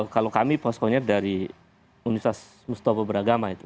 kalau kami poskonya dari universitas mustafa beragama itu